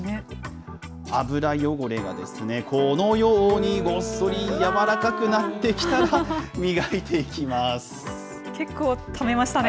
油汚れが、このようにごっそりやわらかくなってきたら、結構ためましたね。